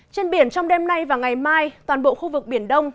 trên biển trong đêm nay và ngày mai toàn bộ khu vực biển đông